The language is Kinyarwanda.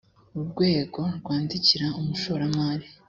urwego rwandikira umushoramari